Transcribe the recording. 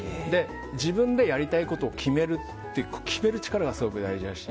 自分でやりたいことを決めるって決める力がすごく大事だし。